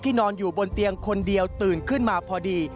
นอนอยู่บนเตียงคนเดียวตื่นขึ้นมาพอดี